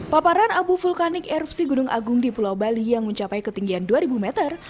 paparan abu vulkanik erupsi gunung agung di pulau bali yang mencapai ketinggian dua ribu meter